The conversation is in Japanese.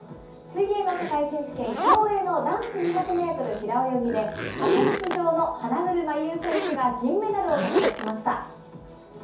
水泳の世界選手権、競泳の男子２００メートル平泳ぎで、初出場の花車優選手が銀メダルを獲得しました。